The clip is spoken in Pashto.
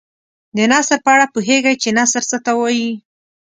د نثر په اړه پوهیږئ چې نثر څه ته وايي.